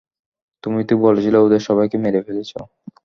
তুমি তো বলেছিলে ওদের সবাইকে মেরে ফেলেছ!